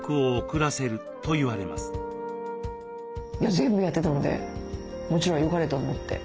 全部やってたのでもちろんよかれと思って。